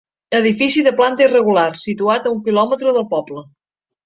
Edifici de planta irregular, situat a un quilòmetre del poble.